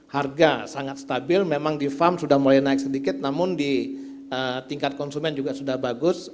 harga sangat stabil memang di farm sudah mulai naik sedikit namun di tingkat konsumen juga sudah bagus